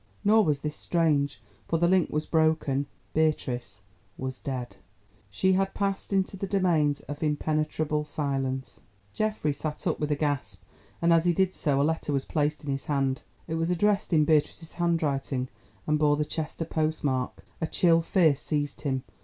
Nor was this strange! For the link was broken. Beatrice was dead. She had passed into the domains of impenetrable silence. Geoffrey sat up with a gasp, and as he did so a letter was placed in his hand. It was addressed in Beatrice's handwriting and bore the Chester postmark. A chill fear seized him.